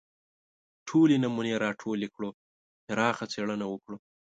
ټولې نمونې راټولې کړو پراخه څېړنه وکړو